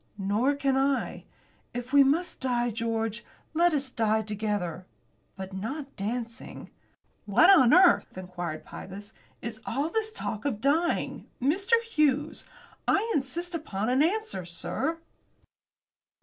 "Nor can I. If we must die, George, let us die together; but not dancing." "What on earth," inquired Pybus, "is all this talk of dying, Mr. Hughes? I insist upon an answer, sir."